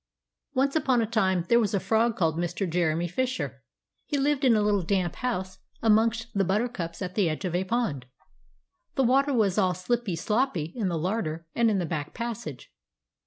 Once upon a time there was a frog called Mr. Jeremy Fisher; he lived in a little damp house amongst the buttercups at the edge of a pond. The water was all slippy sloppy in the larder and in the back passage.